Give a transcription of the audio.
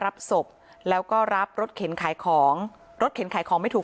รับศพแล้วก็รับรถเข็นขายของรถเข็นขายของไม่ถูก